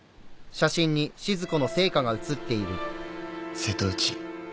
瀬戸内。